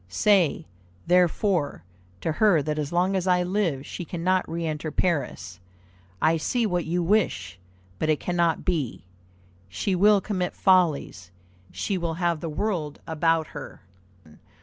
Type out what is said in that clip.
Say, therefore, to her that as long as I live she cannot re enter Paris. I see what you wish, but it cannot be; she will commit follies; she will have the world about her."